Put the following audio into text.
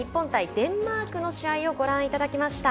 デンマークの試合をご覧いただきました。